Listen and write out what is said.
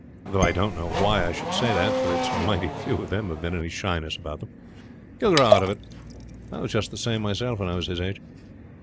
Though I don't know why I should say that, for it's mighty few of them have any shyness about them. He will grow out of it. I was just the same myself when I was his age."